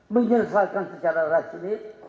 menyesuaikan secara rasmi